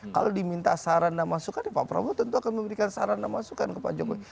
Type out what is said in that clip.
kalau diminta saran dan masukan pak prabowo tentu akan memberikan sarana masukan ke pak jokowi